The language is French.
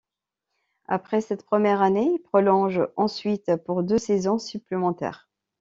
Après cette première année, il prolonge ensuite pour deux saisons supplémentaires.